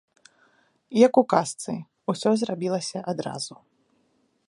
Як у казцы, усё зрабілася адразу.